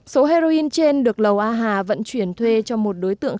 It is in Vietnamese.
số heroin trên được lầu a hà vận chuyển thuê cho một đối tượng